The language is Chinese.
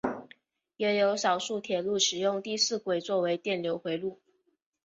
也有少数铁路使用第四轨作为电流回路。